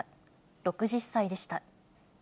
６０歳でした。